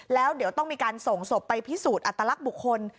แล้วเดี๋ยวต้องมีการส่งศพไปพิสูจน์อัตลักษณ์บุคคล